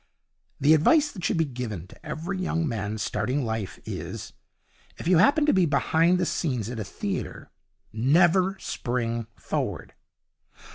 The advice that should be given to every young man starting life is if you happen to be behind the scenes at a theatre, never spring forward.